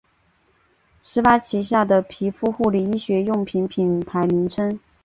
施巴旗下的皮肤护理医学用品品牌名称。